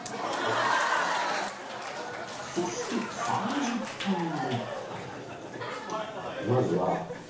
そして３０分後